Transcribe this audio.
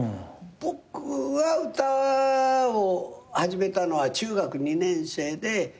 僕は歌を始めたのは中学２年生で歌を習い始めて。